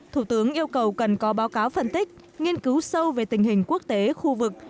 thủ tướng yêu cầu cần có báo cáo phân tích nghiên cứu sâu về tình hình quốc tế khu vực